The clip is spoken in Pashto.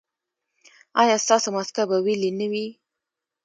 ایا ستاسو مسکه به ویلې نه وي؟